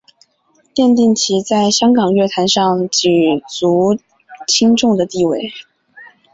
奠定其在香港乐坛上举足轻重的地位。